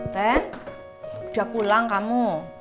ren udah pulang kamu